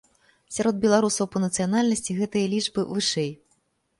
Сярод беларусаў па нацыянальнасці гэтыя лічбы вышэй.